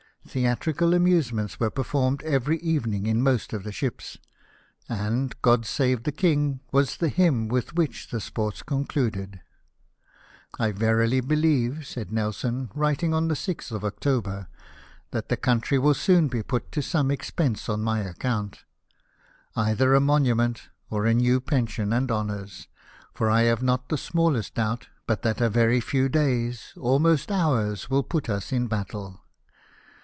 Theatrical amusements were performed every evening in most of the ships, and " God Save the King" was the hymn with which the sports concluded. " I verily believe," said Nelson (writing on the 6th of October), " that the country will soon be put to some expense on my account ; either a monument, or a new pension and honours ; for I have not the smallest doubt but that a very few days, almost hours, will put us in battle.